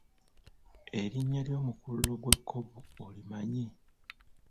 Erinnya ly'omukululo gw'ekkovu olimanyi?